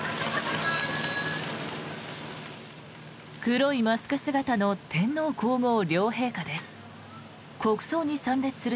黒いマスク姿の天皇・皇后両陛下です。